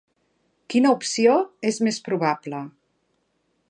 Quina opció és més probable?